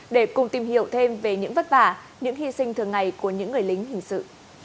để cùng tìm hiểu thêm về những vất vả những hy sinh thường ngày của những người lính hình sự